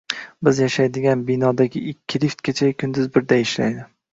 Biz yashaydigan binodagi ikki lift kechayu-kunduz birday ishlaydi.